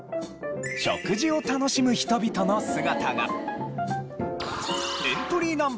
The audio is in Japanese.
食事を楽しむ人々の姿が。